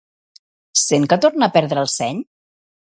Sent que torna a perdre el seny?